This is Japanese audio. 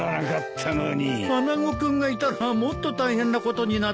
穴子君がいたらもっと大変なことになってたよ。